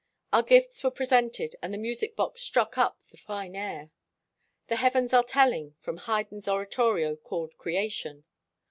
Our gifts were presented, and the music box struck up the fine air, 'The heavens are telling,' from Haydn's oratorio called 'Creation.'